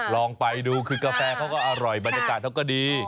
ลองไปดูคือกาแฟเขาก็อร่อยบรรยากาศเขาก็ดี